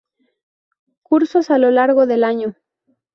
Cursos a lo largo del año.